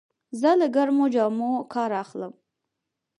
زه له ګرمو جامو کار اخلم.